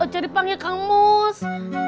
jadi panggil kang mus